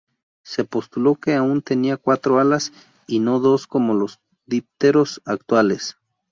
Se postuló que aún tenía cuatro alas y no dos como los dípteros actuales.